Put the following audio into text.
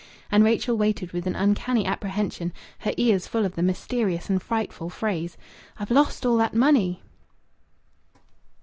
And Rachel waited with an uncanny apprehension, her ears full of the mysterious and frightful phrase, "I've lost all that money."